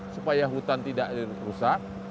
supaya hutan tidak rusak